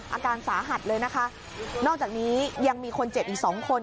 อาการสาหัสเลยนะคะนอกจากนี้ยังมีคนเจ็บอีกสองคน